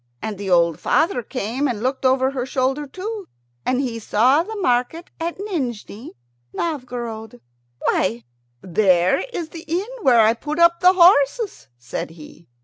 And the old father came and looked over her shoulder too, and he saw the market at Nijni Novgorod. "Why, there is the inn where I put up the horses," says he.